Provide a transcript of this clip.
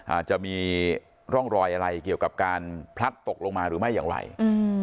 อาจจะมีร่องรอยอะไรเกี่ยวกับการพลัดตกลงมาหรือไม่อย่างไรอืม